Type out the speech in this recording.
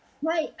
はい！